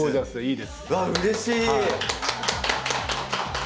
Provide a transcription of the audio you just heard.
うわっうれしい！